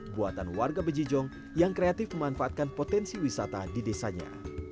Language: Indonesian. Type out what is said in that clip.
buatan warga bejijong yang kreatif memanfaatkan potensi wisata di desanya